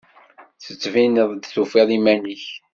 Tettbineḍ-d tufiḍ iman-ik.